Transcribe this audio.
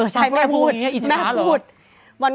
ใช่แม่พูดแม่พูด